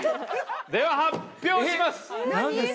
では、発表します。